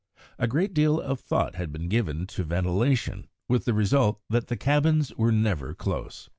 A great deal of thought had also been given to ventilation, with the result that the cabins were never close.